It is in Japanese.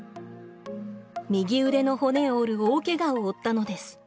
右腕の骨を折る大けがをおったのです。